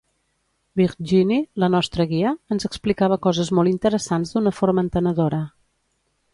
Virginie, la nostra guia, ens explicava coses molt interessants d'una forma entenedora.